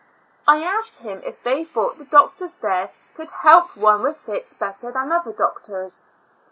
I asked him if they thought the doc tors there could help one with fits better than other doctors?